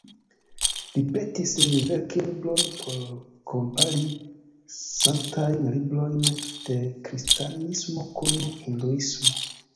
Li petis lin verki libron por kompari sanktajn librojn de kristanismo kun hinduismo.